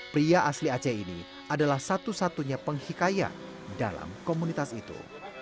pria asli aceh ini adalah satu satunya penghikayat dalam komunitas itu